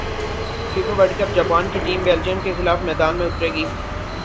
FIFA world cup Japan کی team Belgium کیخلاف میدان میں اترے گی